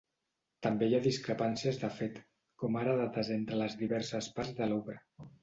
També hi ha discrepàncies de fet, com ara dates entre les diverses parts de l'obra.